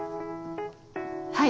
はい。